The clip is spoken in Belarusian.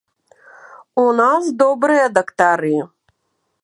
У нас добрыя дактары.